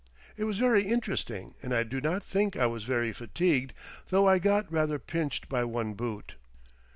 It was very interesting and I do not think I was very fatigued, though I got rather pinched by one boot.